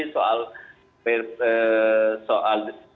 soal peran narasi